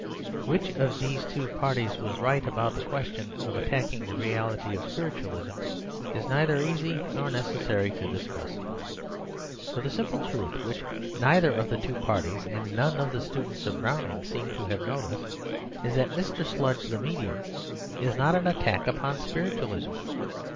Which of these two parties was right about the question of attacking the reality of spiritualism it is neither easy nor necessary to discuss. For the simple truth, which neither of the two parties and none of the students of Browning seem to have noticed, is that "Mr. Sludge the Medium" is not an attack upon spiritualism.